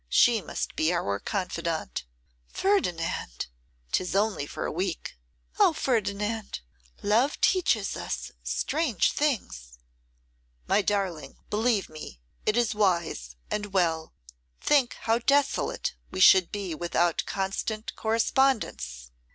She must be our confidante.' 'Ferdinand!' ''Tis only for a week.' 'O Ferdinand! Love teaches us strange things.' 'My darling, believe me, it is wise and well. Think how desolate we should be without constant correspondence.